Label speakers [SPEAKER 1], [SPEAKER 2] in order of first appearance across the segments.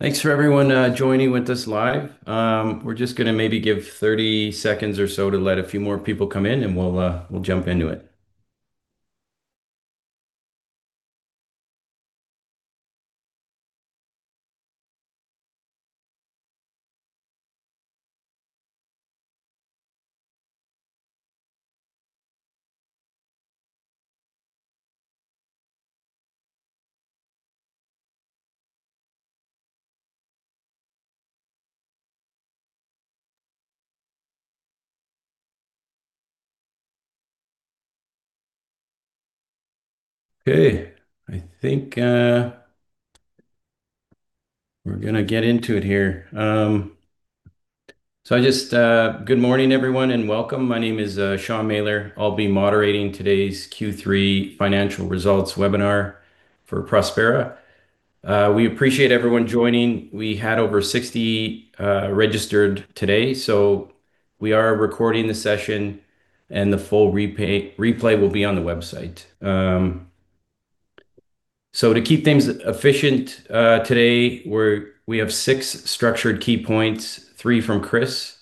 [SPEAKER 1] Thanks for everyone joining with us live. We're just going to maybe give 30 seconds or so to let a few more people come in, and we'll jump into it. Okay, I think we're going to get into it here. I just—good morning, everyone, and welcome. My name is Shawn Mehler. I'll be moderating today's Q3 financial results webinar for Prospera. We appreciate everyone joining. We had over 60 registered today, so we are recording the session, and the full replay will be on the website. To keep things efficient today, we have six structured key points, three from Chris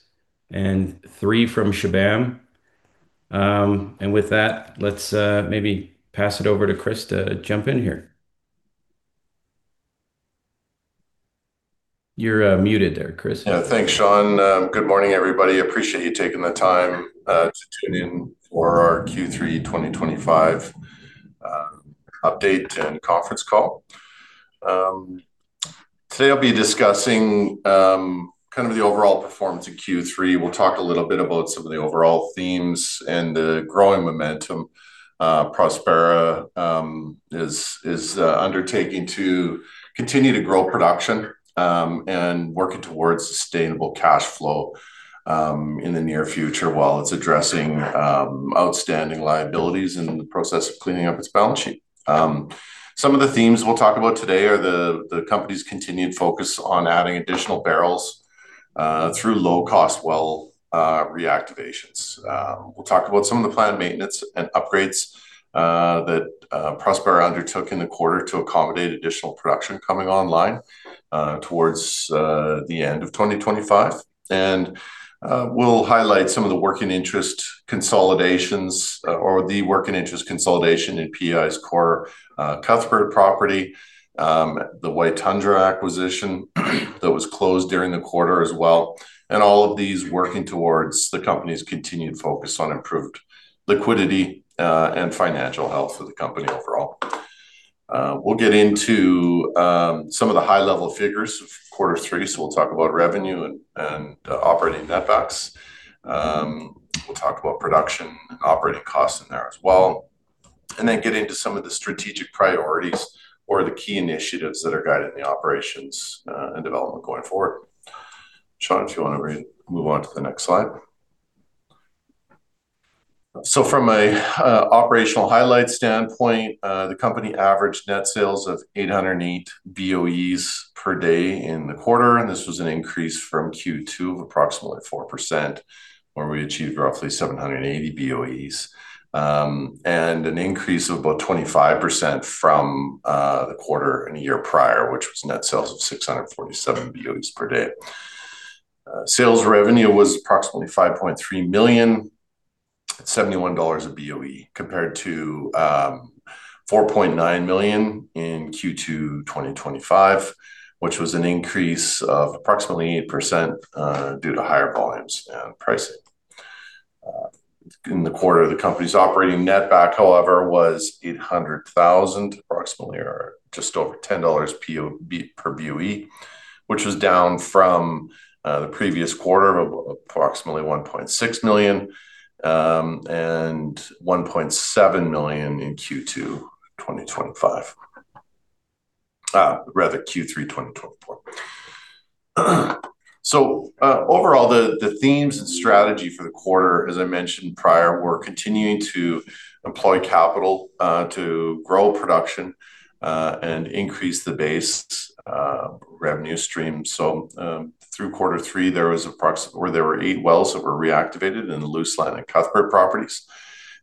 [SPEAKER 1] and three from Shubham. With that, let's maybe pass it over to Chris to jump in here. You're muted there, Chris.
[SPEAKER 2] Yeah, thanks, Shawn. Good morning, everybody. Appreciate you taking the time to tune in for our Q3 2025 update and conference call. Today, I'll be discussing kind of the overall performance of Q3. We'll talk a little bit about some of the overall themes and the growing momentum Prospera is undertaking to continue to grow production and working towards sustainable cash flow in the near future while it's addressing outstanding liabilities and the process of cleaning up its balance sheet. Some of the themes we'll talk about today are the company's continued focus on adding additional barrels through low-cost well reactivations. We'll talk about some of the planned maintenance and upgrades that Prospera undertook in the quarter to accommodate additional production coming online towards the end of 2025. We will highlight some of the working interest consolidations or the working interest consolidation in PEI's core Cuthbert property, the White Tundra acquisition that was closed during the quarter as well. All of these are working towards the company's continued focus on improved liquidity and financial health for the company overall. We will get into some of the high-level figures of quarter three. We will talk about revenue and operating netbacks. We will talk about production and operating costs in there as well. We will then get into some of the strategic priorities or the key initiatives that are guiding the operations and development going forward. Shawn, if you want to move on to the next slide. From an operational highlight standpoint, the company averaged net sales of 808 BOE per day in the quarter. This was an increase from Q2 of approximately 4%, where we achieved roughly 780 BOEs and an increase of about 25% from the quarter and a year prior, which was net sales of 647 BOEs per day. Sales revenue was approximately 5.3 million, CAD 71 a BOE, compared to 4.9 million in Q2 2025, which was an increase of approximately 8% due to higher volumes and pricing. In the quarter, the company's operating netback, however, was 800,000, approximately just over CAD 10 per BOE, which was down from the previous quarter of approximately 1.6 million and 1.7 million in Q2 2025, rather Q3 2024. Overall, the themes and strategy for the quarter, as I mentioned prior, were continuing to employ capital to grow production and increase the base revenue stream. Through quarter three, there were eight wells that were reactivated in the Luseland and Cuthbert properties.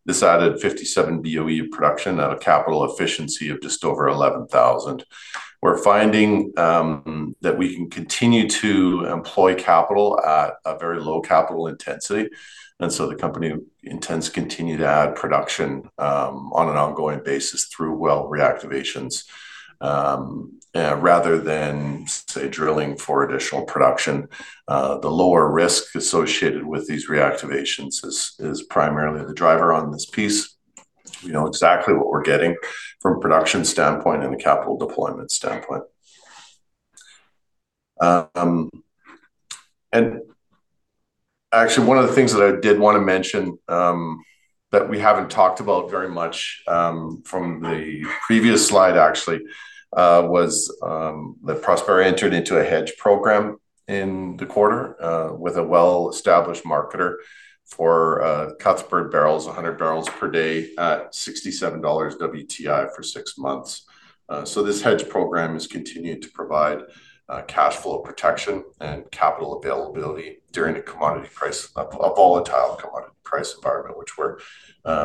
[SPEAKER 2] This added 57 BOE production at a capital efficiency of just over 11,000. We're finding that we can continue to employ capital at a very low capital intensity. The company intends to continue to add production on an ongoing basis through well reactivations rather than, say, drilling for additional production. The lower risk associated with these reactivations is primarily the driver on this piece. We know exactly what we're getting from a production standpoint and a capital deployment standpoint. Actually, one of the things that I did want to mention that we haven't talked about very much from the previous slide, actually, was that Prospera entered into a hedge program in the quarter with a well-established marketer for Cuthbert barrels, 100 barrels per day at 67 dollars WTI for six months. This hedge program has continued to provide cash flow protection and capital availability during a volatile commodity price environment, which we're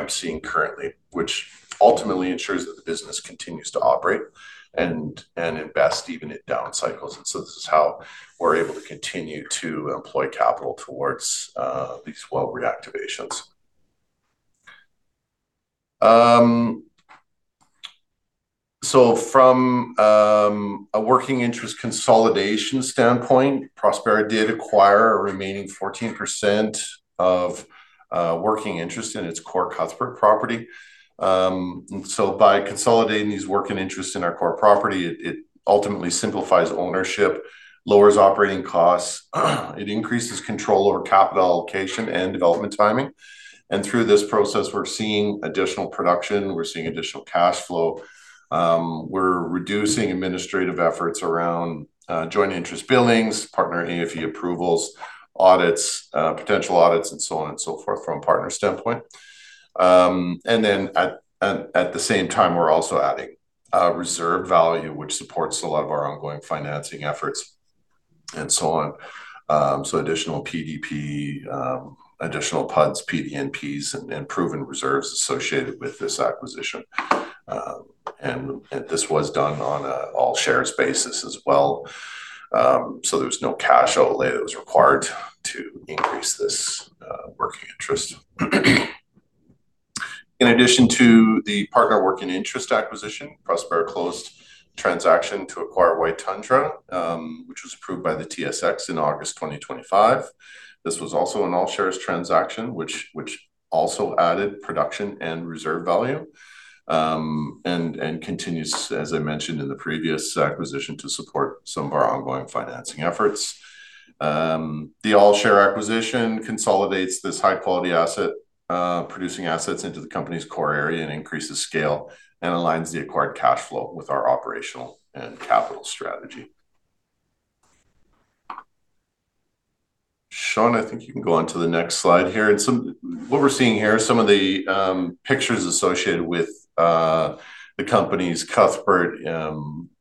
[SPEAKER 2] seeing currently, which ultimately ensures that the business continues to operate and invest even in down cycles. This is how we're able to continue to employ capital towards these well reactivations. From a working interest consolidation standpoint, Prospera did acquire a remaining 14% of working interest in its core Cuthbert property. By consolidating these working interests in our core property, it ultimately simplifies ownership, lowers operating costs, increases control over capital allocation and development timing. Through this process, we're seeing additional production. We're seeing additional cash flow. We're reducing administrative efforts around joint interest billings, partner AFE approvals, audits, potential audits, and so on and so forth from a partner standpoint. At the same time, we're also adding reserve value, which supports a lot of our ongoing financing efforts and so on. Additional PDP, additional PUDs, PDNPs, and proven reserves are associated with this acquisition. This was done on an all shares basis as well. There was no cash outlay that was required to increase this working interest. In addition to the partner working interest acquisition, Prospera closed a transaction to acquire White Tundra, which was approved by the TSX in August 2025. This was also an all shares transaction, which also added production and reserve value and continues, as I mentioned in the previous acquisition, to support some of our ongoing financing efforts. The all share acquisition consolidates this high-quality asset, producing assets into the company's core area and increases scale and aligns the acquired cash flow with our operational and capital strategy. Shawn, I think you can go on to the next slide here. What we're seeing here are some of the pictures associated with the company's Cuthbert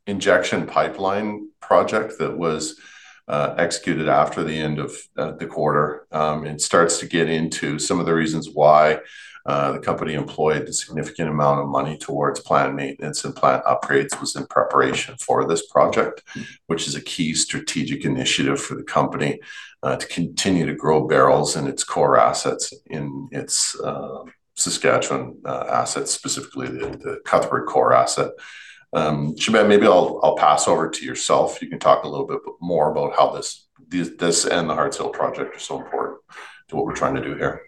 [SPEAKER 2] injection pipeline project that was executed after the end of the quarter. It starts to get into some of the reasons why the company employed a significant amount of money towards plant maintenance and plant upgrades, which was in preparation for this project, which is a key strategic initiative for the company to continue to grow barrels and its core assets in its Saskatchewan assets, specifically the Cuthbert core asset. Shubham, maybe I'll pass over to yourself. You can talk a little bit more about how this and the Hearts Hill project are so important to what we're trying to do here.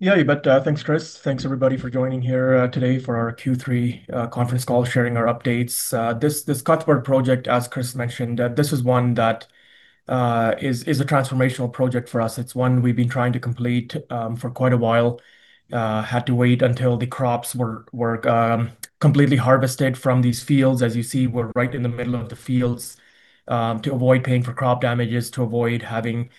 [SPEAKER 3] Yeah, thanks, Chris. Thanks, everybody, for joining here today for our Q3 conference call, sharing our updates. This Cuthbert project, as Chris mentioned, this is one that is a transformational project for us. It's one we've been trying to complete for quite a while. Had to wait until the crops were completely harvested from these fields. As you see, we're right in the middle of the fields to avoid paying for crop damages, to avoid having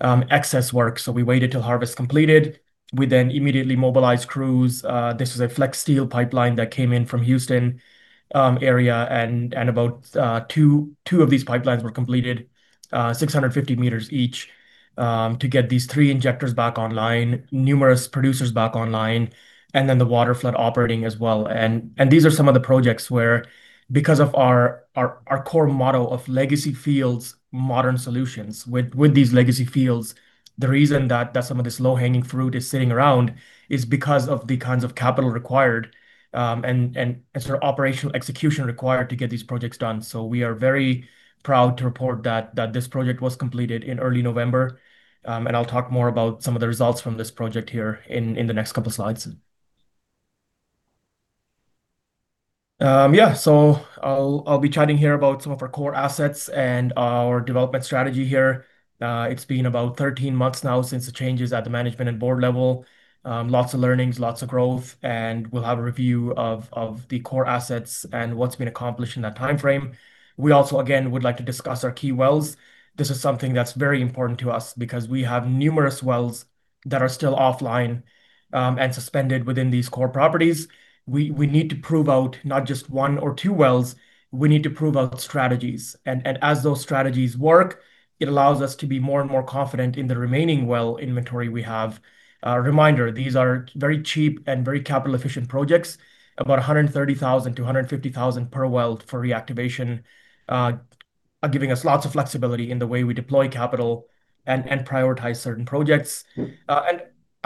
[SPEAKER 3] excess work. We waited till harvest completed. We then immediately mobilized crews. This was a flex steel pipeline that came in from Houston area. About two of these pipelines were completed, 650 m each, to get these three injectors back online, numerous producers back online, and then the water flood operating as well. These are some of the projects where, because of our core model of legacy fields, modern solutions with these legacy fields, the reason that some of this low-hanging fruit is sitting around is because of the kinds of capital required and sort of operational execution required to get these projects done. We are very proud to report that this project was completed in early November. I'll talk more about some of the results from this project here in the next couple of slides. Yeah, I'll be chatting here about some of our core assets and our development strategy here. It's been about 13 months now since the changes at the management and board level. Lots of learnings, lots of growth. We'll have a review of the core assets and what's been accomplished in that time frame. We also, again, would like to discuss our key wells. This is something that's very important to us because we have numerous wells that are still offline and suspended within these core properties. We need to prove out not just one or two wells. We need to prove out strategies. As those strategies work, it allows us to be more and more confident in the remaining well inventory we have. Reminder, these are very cheap and very capital-efficient projects, about 130,000-150,000 per well for reactivation, giving us lots of flexibility in the way we deploy capital and prioritize certain projects.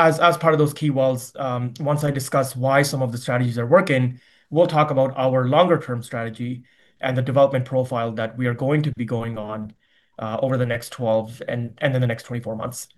[SPEAKER 3] As part of those key wells, once I discuss why some of the strategies are working, we will talk about our longer-term strategy and the development profile that we are going to be going on over the next 12 and then the next 24 months.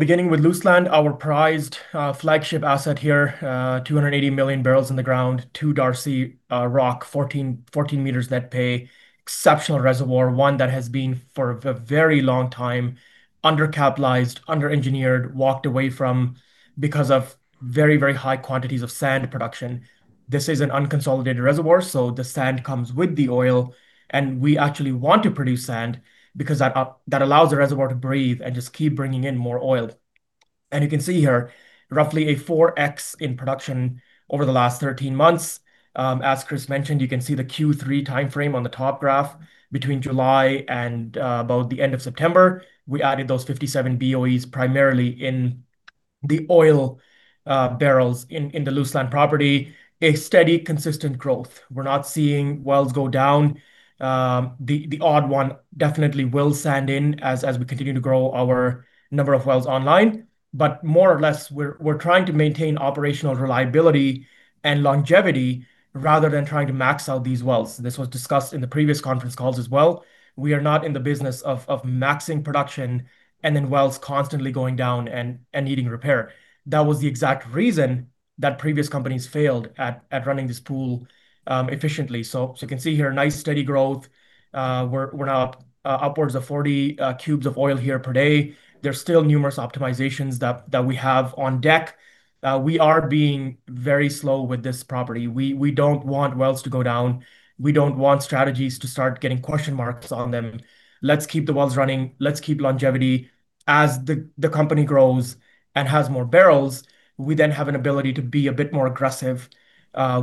[SPEAKER 3] Beginning with Luseland, our prized flagship asset here, 280 million barrels in the ground, two darcy rock, 14 m net pay, exceptional reservoir, one that has been for a very long time undercapitalized, under-engineered, walked away from because of very, very high quantities of sand production. This is an unconsolidated reservoir. The sand comes with the oil. We actually want to produce sand because that allows the reservoir to breathe and just keep bringing in more oil. You can see here, roughly a 4x in production over the last 13 months. As Chris mentioned, you can see the Q3 time frame on the top graph between July and about the end of September. We added those 57 BOEs primarily in the oil barrels in the Luseland property. A steady, consistent growth. We are not seeing wells go down. The odd one definitely will sand in as we continue to grow our number of wells online. More or less, we're trying to maintain operational reliability and longevity rather than trying to max out these wells. This was discussed in the previous conference calls as well. We are not in the business of maxing production and then wells constantly going down and needing repair. That was the exact reason that previous companies failed at running this pool efficiently. You can see here, nice steady growth. We're now upwards of 40 cubes of oil here per day. There are still numerous optimizations that we have on deck. We are being very slow with this property. We do not want wells to go down. We do not want strategies to start getting question marks on them. Let's keep the wells running. Let's keep longevity. As the company grows and has more barrels, we then have an ability to be a bit more aggressive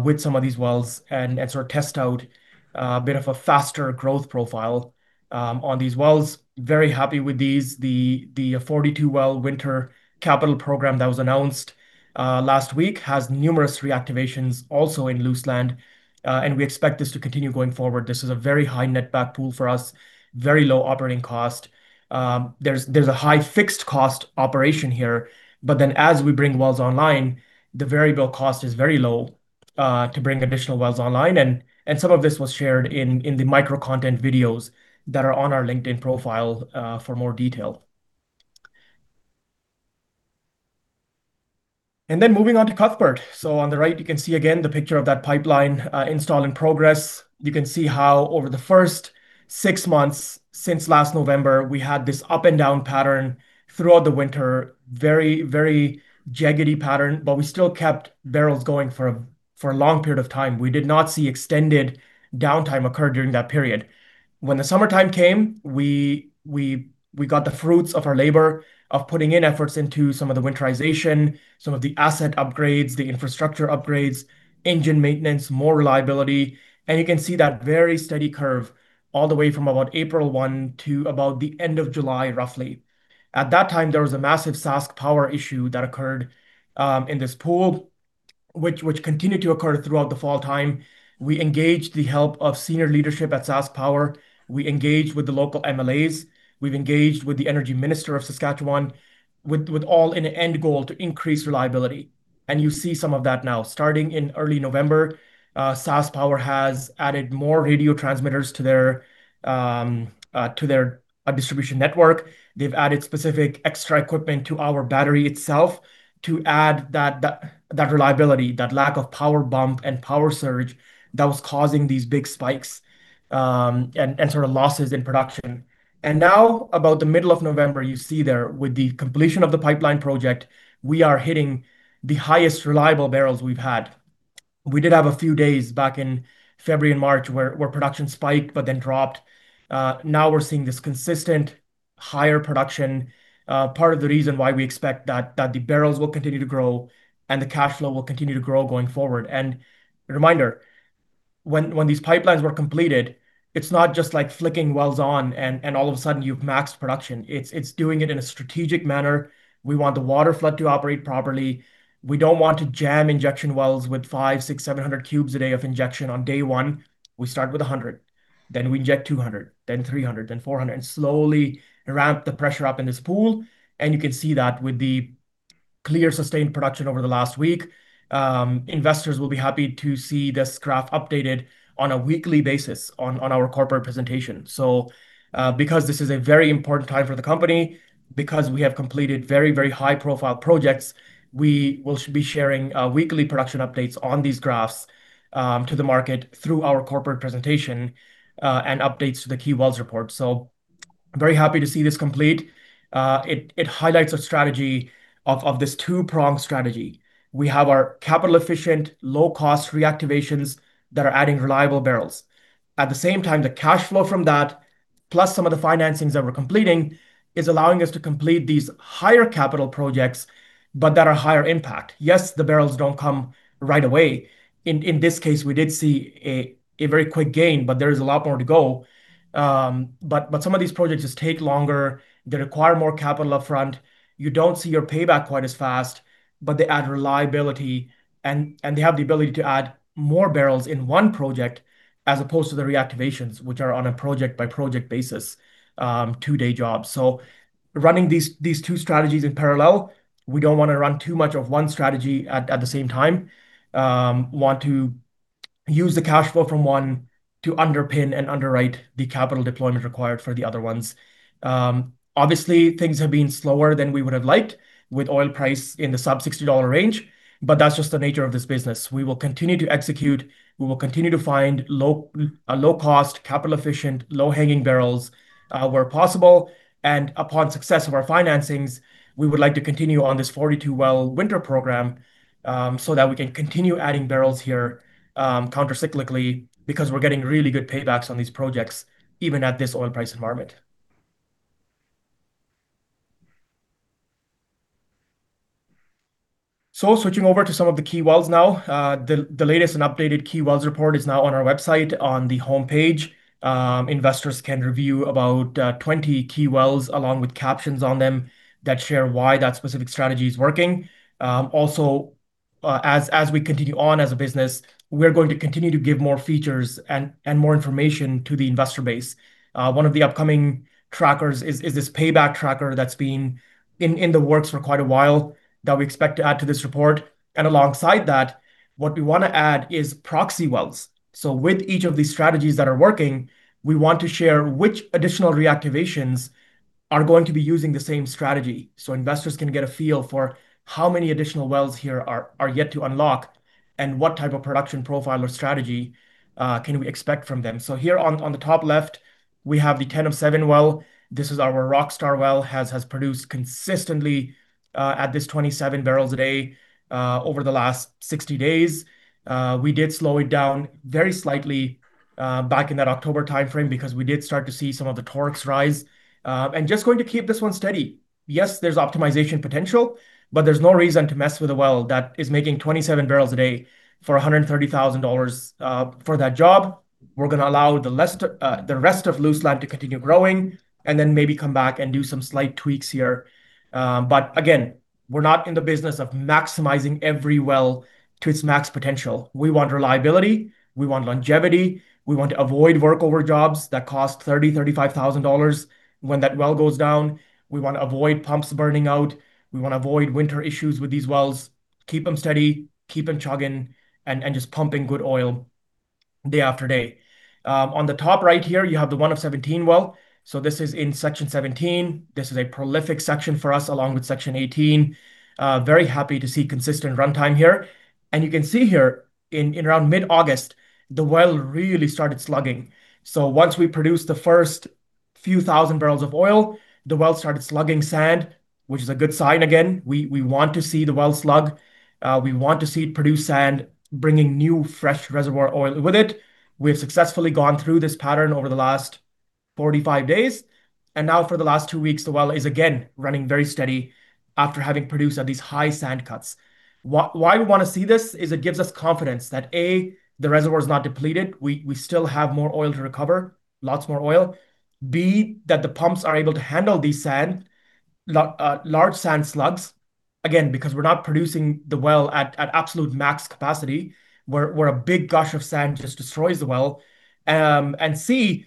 [SPEAKER 3] with some of these wells and sort of test out a bit of a faster growth profile on these wells. Very happy with these. The 42-well winter capital program that was announced last week has numerous reactivations also in Luseland. We expect this to continue going forward. This is a very high netback pool for us, very low operating cost. There is a high fixed cost operation here. As we bring wells online, the variable cost is very low to bring additional wells online. Some of this was shared in the micro content videos that are on our LinkedIn profile for more detail. Moving on to Cuthbert. On the right, you can see again the picture of that pipeline install in progress. You can see how over the first six months since last November, we had this up and down pattern throughout the winter, very, very jagged pattern, but we still kept barrels going for a long period of time. We did not see extended downtime occur during that period. When the summertime came, we got the fruits of our labor of putting in efforts into some of the winterization, some of the asset upgrades, the infrastructure upgrades, engine maintenance, more reliability. You can see that very steady curve all the way from about April 1 to about the end of July, roughly. At that time, there was a massive SaskPower issue that occurred in this pool, which continued to occur throughout the fall time. We engaged the help of senior leadership at SaskPower. We engaged with the local MLAs. We've engaged with the Energy Minister of Saskatchewan, with all in an end goal to increase reliability. You see some of that now. Starting in early November, SaskPower has added more radio transmitters to their distribution network. They've added specific extra equipment to our battery itself to add that reliability, that lack of power bump and power surge that was causing these big spikes and sort of losses in production. Now, about the middle of November, you see there with the completion of the pipeline project, we are hitting the highest reliable barrels we've had. We did have a few days back in February and March where production spiked, but then dropped. Now we're seeing this consistent higher production. Part of the reason why we expect that the barrels will continue to grow and the cash flow will continue to grow going forward. Reminder, when these pipelines were completed, it's not just like flicking wells on and all of a sudden you've maxed production. It's doing it in a strategic manner. We want the water flood to operate properly. We don't want to jam injection wells with 500, 600, 700 cubes a day of injection on day one. We start with 100, then we inject 200, then 300, then 400, and slowly ramp the pressure up in this pool. You can see that with the clear sustained production over the last week. Investors will be happy to see this graph updated on a weekly basis on our corporate presentation. This is a very important time for the company, because we have completed very, very high-profile projects. We will be sharing weekly production updates on these graphs to the market through our corporate presentation and updates to the key wells report. I am very happy to see this complete. It highlights a strategy of this two-pronged strategy. We have our capital-efficient, low-cost reactivations that are adding reliable barrels. At the same time, the cash flow from that, plus some of the financings that we are completing, is allowing us to complete these higher capital projects that are higher impact. Yes, the barrels do not come right away. In this case, we did see a very quick gain, but there is a lot more to go. Some of these projects just take longer. They require more capital upfront. You don't see your payback quite as fast, but they add reliability and they have the ability to add more barrels in one project as opposed to the reactivations, which are on a project-by-project basis, two-day jobs. Running these two strategies in parallel, we don't want to run too much of one strategy at the same time. Want to use the cash flow from one to underpin and underwrite the capital deployment required for the other ones. Obviously, things have been slower than we would have liked with oil price in the sub-CAD 60 range, but that's just the nature of this business. We will continue to execute. We will continue to find low-cost, capital-efficient, low-hanging barrels where possible. Upon success of our financings, we would like to continue on this 42-well winter program so that we can continue adding barrels here countercyclically because we're getting really good paybacks on these projects even at this oil price environment. Switching over to some of the key wells now. The latest and updated key wells report is now on our website on the homepage. Investors can review about 20 key wells along with captions on them that share why that specific strategy is working. Also, as we continue on as a business, we're going to continue to give more features and more information to the investor base. One of the upcoming trackers is this payback tracker that's been in the works for quite a while that we expect to add to this report. Alongside that, what we want to add is proxy wells. With each of these strategies that are working, we want to share which additional reactivations are going to be using the same strategy so investors can get a feel for how many additional wells here are yet to unlock and what type of production profile or strategy we can expect from them. Here on the top left, we have the 10 of 7 well. This is our rock star well. Has produced consistently at this 27 barrels a day over the last 60 days. We did slow it down very slightly back in that October time frame because we did start to see some of the torques rise. Just going to keep this one steady. Yes, there is optimization potential, but there is no reason to mess with a well that is making 27 barrels a day for 130,000 dollars for that job. We're going to allow the rest of Luseland to continue growing and then maybe come back and do some slight tweaks here. Again, we're not in the business of maximizing every well to its max potential. We want reliability. We want longevity. We want to avoid workover jobs that cost 30,000, 35,000 dollars when that well goes down. We want to avoid pumps burning out. We want to avoid winter issues with these wells. Keep them steady, keep them chugging, and just pumping good oil day after day. On the top right here, you have the 1 of 17 well. This is in Section 17. This is a prolific section for us along with Section 18. Very happy to see consistent runtime here. You can see here in around mid-August, the well really started slugging. Once we produced the first few thousand barrels of oil, the well started slugging sand, which is a good sign. Again, we want to see the well slug. We want to see it produce sand, bringing new fresh reservoir oil with it. We have successfully gone through this pattern over the last 45 days. Now for the last two weeks, the well is again running very steady after having produced at these high sand cuts. Why we want to see this is it gives us confidence that, A, the reservoir is not depleted. We still have more oil to recover, lots more oil. B, that the pumps are able to handle these large sand slugs, again, because we're not producing the well at absolute max capacity, where a big gush of sand just destroys the well. C,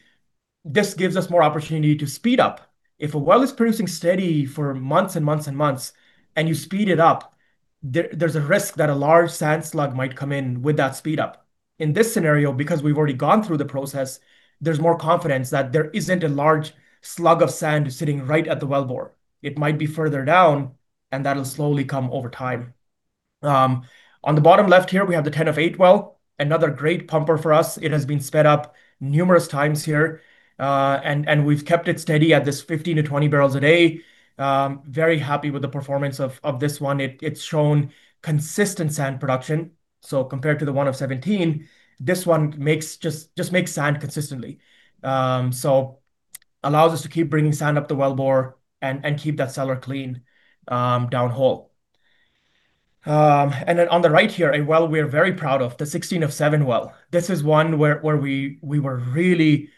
[SPEAKER 3] this gives us more opportunity to speed up. If a well is producing steady for months and months and months and you speed it up, there's a risk that a large sand slug might come in with that speed up. In this scenario, because we've already gone through the process, there's more confidence that there isn't a large slug of sand sitting right at the well bore. It might be further down, and that'll slowly come over time. On the bottom left here, we have the 10 of 8 well. Another great pumper for us. It has been sped up numerous times here. And we've kept it steady at this 15-20 barrels a day. Very happy with the performance of this one. It's shown consistent sand production. So compared to the 1 of 17, this one just makes sand consistently. This allows us to keep bringing sand up the well bore and keep that cellar clean down hole. On the right here, a well we are very proud of, the 16 of 7 well. This is one where we really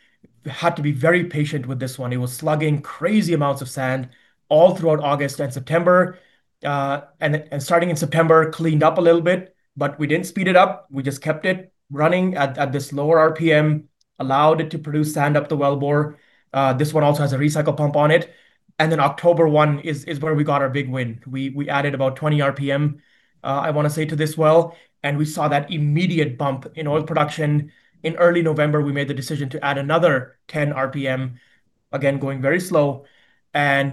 [SPEAKER 3] had to be very patient with this one. It was slugging crazy amounts of sand all throughout August and September. Starting in September, it cleaned up a little bit, but we did not speed it up. We just kept it running at this lower RPM, allowed it to produce sand up the well bore. This one also has a recycle pump on it. October 1 is where we got our big win. We added about 20 RPM, I want to say, to this well. We saw that immediate bump in oil production. In early November, we made the decision to add another 10 RPM, again, going very slow.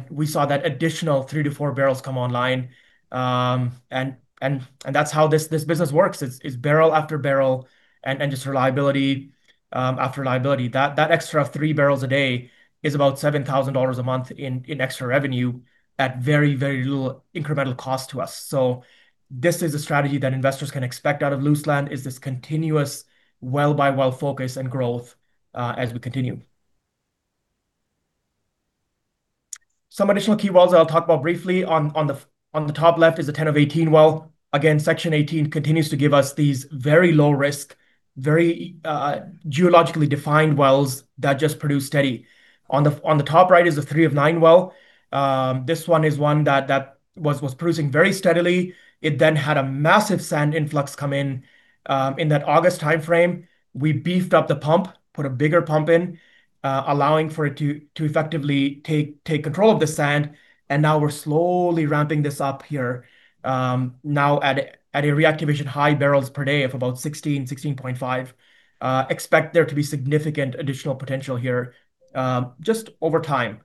[SPEAKER 3] We saw that additional three to four barrels come online. That is how this business works, is barrel after barrel and just reliability after reliability. That extra of three barrels a day is about 7,000 dollars a month in extra revenue at very, very little incremental cost to us. This is a strategy that investors can expect out of Luseland, is this continuous well-by-well focus and growth as we continue. Some additional key wells that I'll talk about briefly. On the top left is the 10 of 18 well. Section 18 continues to give us these very low-risk, very geologically defined wells that just produce steady. On the top right is the 3 of 9 well. This one is one that was producing very steadily. It then had a massive sand influx come in in that August time frame. We beefed up the pump, put a bigger pump in, allowing for it to effectively take control of the sand. Now we're slowly ramping this up here. Now at a reactivation high barrels per day of about 16, 16.5. Expect there to be significant additional potential here just over time.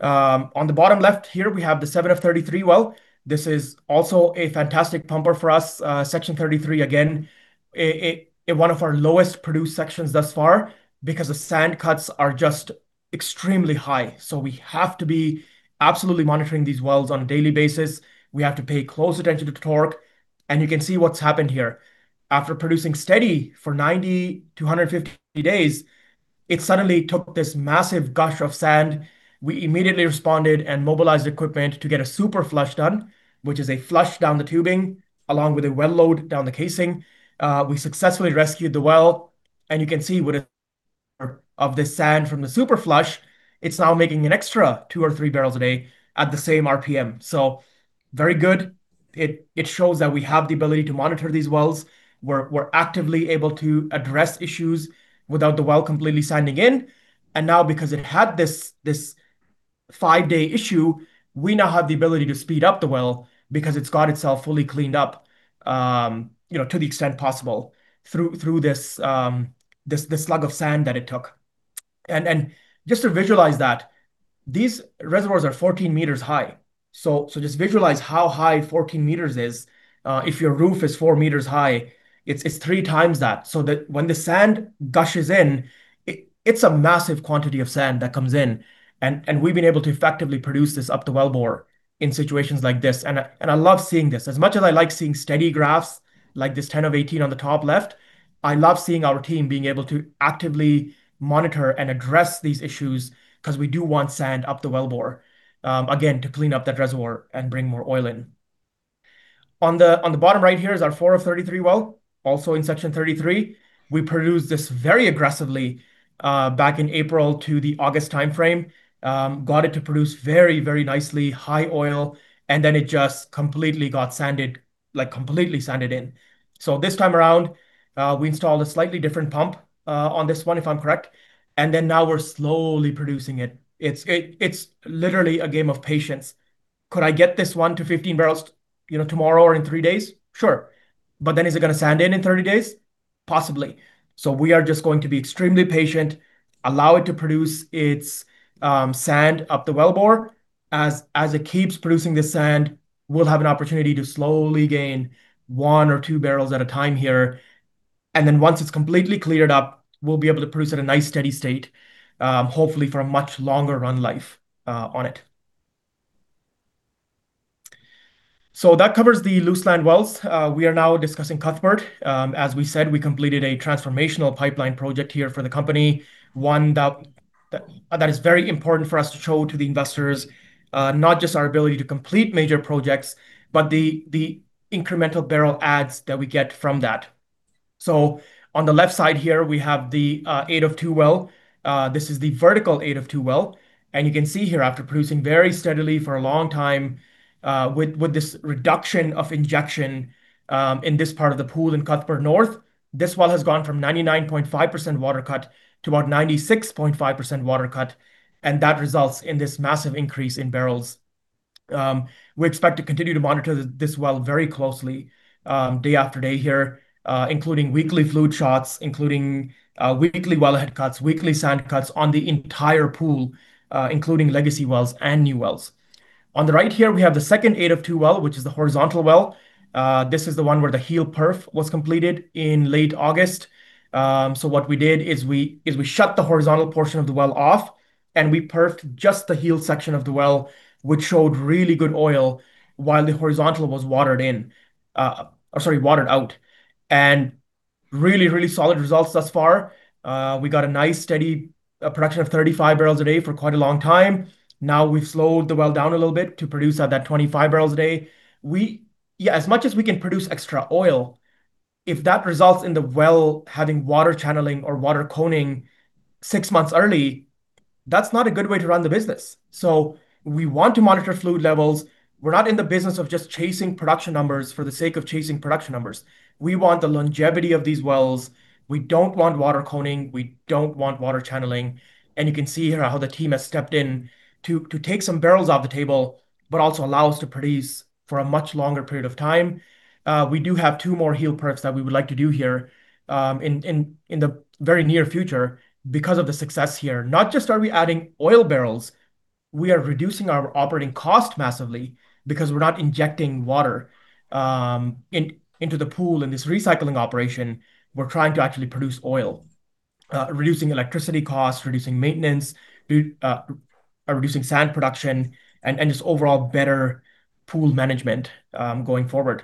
[SPEAKER 3] On the bottom left here, we have the 7 of 33 well. This is also a fantastic pumper for us. Section 33, again, one of our lowest produced sections thus far because the sand cuts are just extremely high. We have to be absolutely monitoring these wells on a daily basis. We have to pay close attention to torque. You can see what's happened here. After producing steady for 90 to 150 days, it suddenly took this massive gush of sand. We immediately responded and mobilized equipment to get a super flush done, which is a flush down the tubing along with a well load down the casing. We successfully rescued the well. You can see with this sand from the super flush, it is now making an extra two or three barrels a day at the same RPM. Very good. It shows that we have the ability to monitor these wells. We are actively able to address issues without the well completely sanding in. Now, because it had this five-day issue, we now have the ability to speed up the well because it has got itself fully cleaned up to the extent possible through this slug of sand that it took. Just to visualize that, these reservoirs are 14 meters high. Just visualize how high 14 meters is. If your roof is four meters high, it's three times that. When the sand gushes in, it's a massive quantity of sand that comes in. We've been able to effectively produce this up the well bore in situations like this. I love seeing this. As much as I like seeing steady graphs like this 10 of 18 on the top left, I love seeing our team being able to actively monitor and address these issues because we do want sand up the well bore, again, to clean up that reservoir and bring more oil in. On the bottom right here is our 4 of 33 well. Also in section 33, we produced this very aggressively back in April to the August time frame. Got it to produce very, very nicely high oil, and then it just completely got sanded, completely sanded in. This time around, we installed a slightly different pump on this one, if I'm correct. Now we're slowly producing it. It's literally a game of patience. Could I get this one to 15 barrels tomorrow or in three days? Sure. Is it going to sand in in 30 days? Possibly. We are just going to be extremely patient, allow it to produce its sand up the well bore. As it keeps producing this sand, we'll have an opportunity to slowly gain one or two barrels at a time here. Once it's completely cleared up, we'll be able to produce at a nice steady state, hopefully for a much longer run life on it. That covers the Luseland wells. We are now discussing Cuthbert. As we said, we completed a transformational pipeline project here for the company, one that is very important for us to show to the investors, not just our ability to complete major projects, but the incremental barrel adds that we get from that. On the left side here, we have the 8 of 2 well. This is the vertical 8 of 2 well. You can see here, after producing very steadily for a long time with this reduction of injection in this part of the pool in Cuthbert North, this well has gone from 99.5% water cut to about 96.5% water cut. That results in this massive increase in barrels. We expect to continue to monitor this well very closely day after day here, including weekly flute shots, including weekly wellhead cuts, weekly sand cuts on the entire pool, including legacy wells and new wells. On the right here, we have the second 8 of 2 well, which is the horizontal well. This is the one where the heel perf was completed in late August. What we did is we shut the horizontal portion of the well off, and we perfed just the heel section of the well, which showed really good oil while the horizontal was watered in, sorry, watered out. Really, really solid results thus far. We got a nice steady production of 35 barrels a day for quite a long time. Now we have slowed the well down a little bit to produce at that 25 barrels a day. Yeah, as much as we can produce extra oil, if that results in the well having water channeling or water coning six months early, that is not a good way to run the business. We want to monitor fluid levels. We're not in the business of just chasing production numbers for the sake of chasing production numbers. We want the longevity of these wells. We don't want water coning. We don't want water channeling. You can see here how the team has stepped in to take some barrels off the table, but also allow us to produce for a much longer period of time. We do have two more heel perfs that we would like to do here in the very near future because of the success here. Not just are we adding oil barrels, we are reducing our operating cost massively because we're not injecting water into the pool in this recycling operation. We're trying to actually produce oil, reducing electricity costs, reducing maintenance, reducing sand production, and just overall better pool management going forward.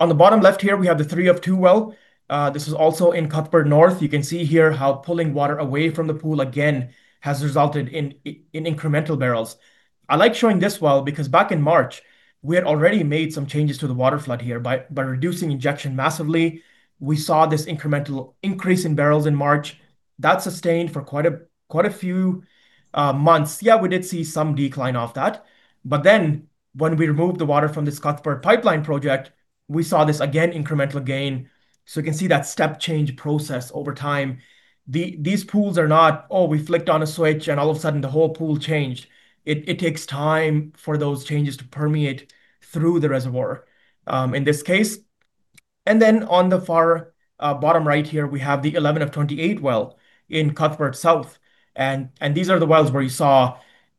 [SPEAKER 3] On the bottom left here, we have the 3 of 2 well. This is also in Cuthbert North. You can see here how pulling water away from the pool again has resulted in incremental barrels. I like showing this well because back in March, we had already made some changes to the water flood here by reducing injection massively. We saw this incremental increase in barrels in March. That sustained for quite a few months. Yeah, we did see some decline off that. When we removed the water from this Cuthbert pipeline project, we saw this again incremental gain. You can see that step change process over time. These pools are not, oh, we flicked on a switch and all of a sudden the whole pool changed. It takes time for those changes to permeate through the reservoir in this case. On the far bottom right here, we have the 11 of 28 well in Cuthbert South. These are the wells where you saw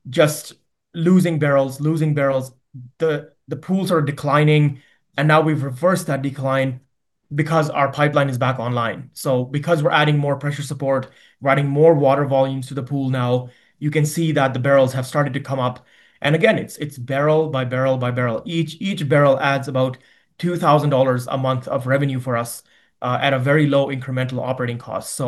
[SPEAKER 3] just losing barrels, losing barrels. The pools are declining, and now we have reversed that decline because our pipeline is back online. Because we are adding more pressure support, we are adding more water volumes to the pool now. You can see that the barrels have started to come up. Again, it is barrel by barrel by barrel. Each barrel adds about 2,000 dollars a month of revenue for us at a very low incremental operating cost.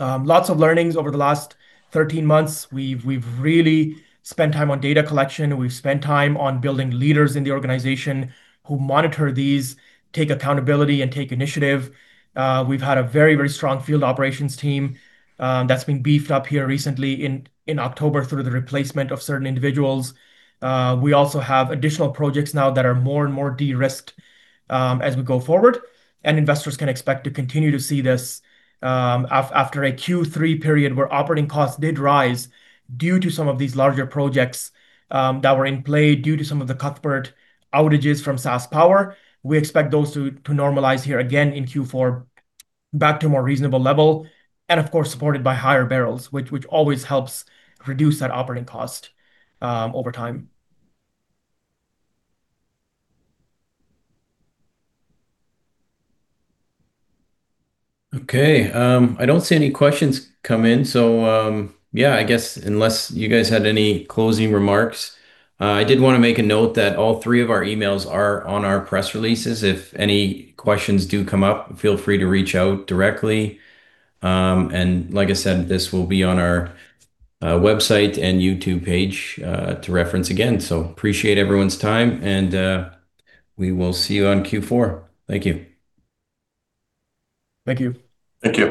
[SPEAKER 3] Lots of learnings over the last 13 months. We have really spent time on data collection. We have spent time on building leaders in the organization who monitor these, take accountability, and take initiative. We have had a very, very strong field operations team that has been beefed up here recently in October through the replacement of certain individuals. We also have additional projects now that are more and more de-risked as we go forward. Investors can expect to continue to see this after a Q3 period where operating costs did rise due to some of these larger projects that were in play due to some of the Cuthbert outages from SaskPower. We expect those to normalize here again in Q4 back to a more reasonable level. Of course, supported by higher barrels, which always helps reduce that operating cost over time.
[SPEAKER 1] Okay. I do not see any questions come in. I guess unless you guys had any closing remarks, I did want to make a note that all three of our emails are on our press releases. If any questions do come up, feel free to reach out directly. Like I said, this will be on our website and YouTube page to reference again. I appreciate everyone's time, and we will see you on Q4. Thank you.
[SPEAKER 3] Thank you.
[SPEAKER 2] Thank you.